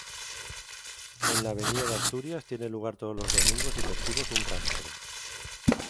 En la avenida de Asturias tiene lugar todos los domingos y festivos un rastro.